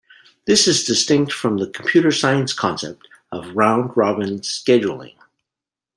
This is distinct from the computer science concept of round-robin scheduling.